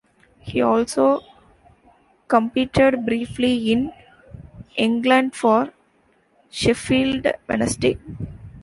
He also competed briefly in England for Sheffield Wednesday.